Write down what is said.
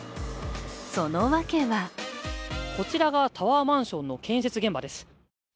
その訳はこちらがタワーマンションの建設現場です。